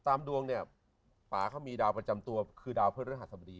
ตามดวงเนี่ยป่าเขามีดาวประจำตัวคือดาวพระฤหัสบดี